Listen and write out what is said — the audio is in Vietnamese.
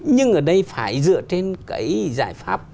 nhưng ở đây phải dựa trên cái giải pháp